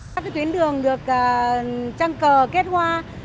các tuyến đường được trăng cờ kết hoa